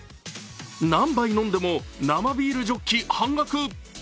何杯飲んでも生ビールジョッキ半額。